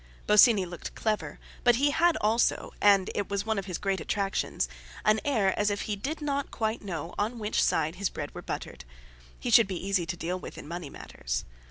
Bosinney looked clever, but he had also—and—it was one of his great attractions—an air as if he did not quite know on which side his bread were buttered; he should be easy to deal with in money matters.